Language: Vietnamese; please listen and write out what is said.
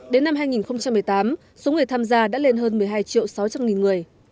đến năm hai nghìn một mươi tám số người tham gia đã lên hơn một mươi hai triệu sáu trăm linh nghìn người